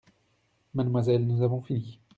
Mademoiselle, nous avons fini…